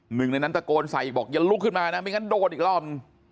หนึ่งในนั้นตะโกนใส่อีกบอกอย่าลุกขึ้นมานะไม่งั้นโดนอีกรอบหนึ่ง